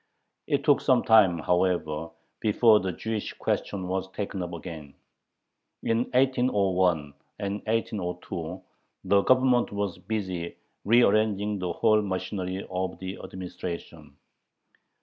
It took some time, however, before the Jewish question was taken up again. In 1801 and 1802 the Government was busy rearranging the whole machinery of the administration.